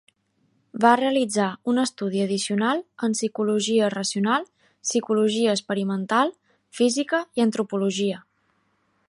Va realitzar un estudi addicional en psicologia racional, psicologia experimental, física i antropologia.